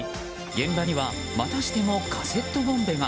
現場にはまたしてもカセットボンベが。